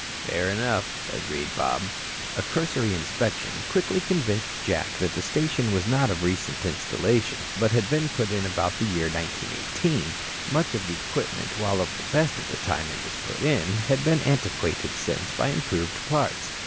"Fair enough," Bob agreed. A cursory inspection quickly convinced Jack that the station was not of recent installation, but had been put in about the year 1918. Much of the equipment, while of the best at the time it was put in, had been antiquated since by improved parts.